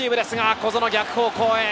小園、逆方向へ。